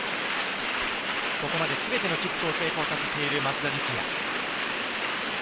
ここまですべてのキックを成功させている松田力也。